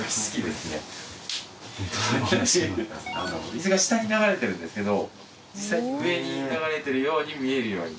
水が下に流れてるんですけど上に流れてるように見えるように。